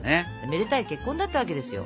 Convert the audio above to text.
めでたい結婚だったわけですよ。